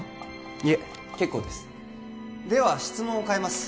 いえ結構ですでは質問を変えます